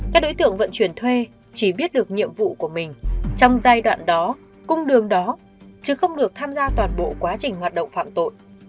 các đối tượng vận chuyển thuê chỉ biết được nhiệm vụ của mình trong giai đoạn đó cung đường đó chứ không được tham gia toàn bộ quá trình hoạt động phạm tội